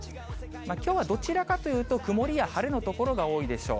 きょうはどちらかというと、曇りや晴れの所が多いでしょう。